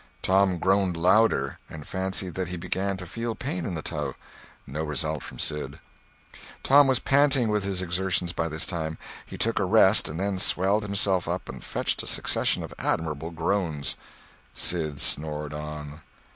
Tom groaned louder, and fancied that he began to feel pain in the toe. No result from Sid. Tom was panting with his exertions by this time. He took a rest and then swelled himself up and fetched a succession of admirable groans. Sid snored on.